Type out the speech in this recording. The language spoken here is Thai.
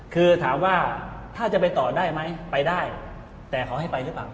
คือถามว่าถ้าจะไปต่อได้ไหมไปได้แต่เขาให้ไปหรือเปล่า